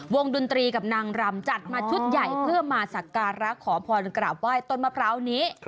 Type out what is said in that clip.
ดนตรีกับนางรำจัดมาชุดใหญ่เพื่อมาสักการะขอพรกราบไหว้ต้นมะพร้าวนี้